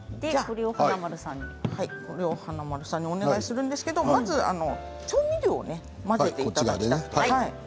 これを華丸さんにお願いするんですけどまず調味料を混ぜていただいて。